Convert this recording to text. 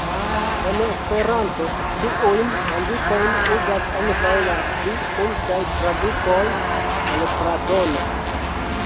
En Esperanto tiujn indikojn uzas ankaŭ la pli multaj tradukoj el Platono.